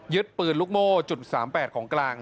ยึดปืนลุกโม๐๓๘ของกลาง